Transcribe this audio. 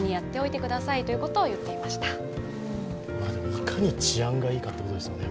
いかに治安がいいかってことですもんね